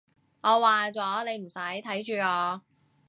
我話咗，你唔使睇住我